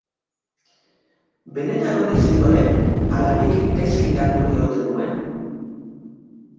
Benetan hori zioen ala nik gaizki irakurri ote nuen?